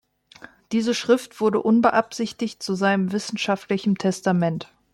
Diese Schrift wurde unbeabsichtigt zu seinem wissenschaftlichen Testament.